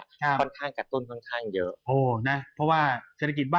เราเนี่ยค่อนข้างกระตุ้นขนาดเยอะ